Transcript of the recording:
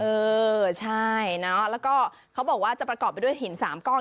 เออใช่เนาะแล้วก็เขาบอกว่าจะประกอบไปด้วยหิน๓ก้อน